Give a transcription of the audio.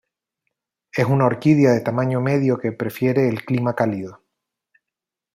Es una orquídea de tamaño medio que prefiere el clima cálido.